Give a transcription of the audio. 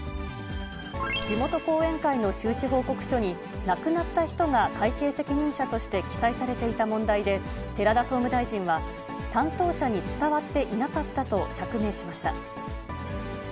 地元後援会の収支報告書に亡くなった人が会計責任者として記載されていた問題で、寺田総務大臣は、担当者に伝わっていなかったと釈明しました。